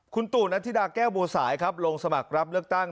คุณตู่นันธิดาแก้วบัวสายครับลงสมัครรับเลือกตั้ง